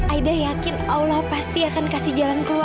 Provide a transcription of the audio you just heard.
aida yakin allah pasti akan kasih jalan keluar